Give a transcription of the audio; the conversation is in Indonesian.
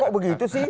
bpk kok begitu sih